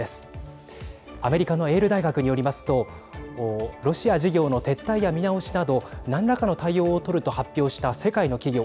アメリカのエール大学によりますとロシア事業の撤退や見直しなど何らかの対応をとると発表した世界の企業